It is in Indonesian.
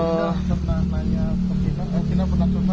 lalu temananya romfina romfina pernah ketemu apa